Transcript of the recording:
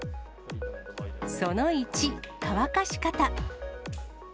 その１、乾かし方。